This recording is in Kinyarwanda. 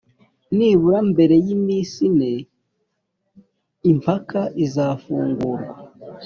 nibura mbere y iminsi ine Impaka izafungurwa